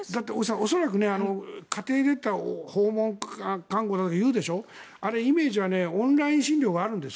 恐らく、訪問看護だと言うでしょうあれ、イメージはオンライン診療があるんです。